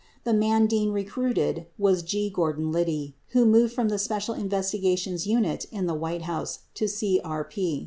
11 The man Dean recruited was G. Gordon Liddy, 12 who moved from the special investigations unit in the White House to CRP.